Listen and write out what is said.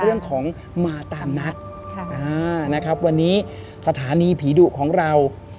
เรื่องของมาตามนัดนะครับวันนี้สถานีผีดุของเรา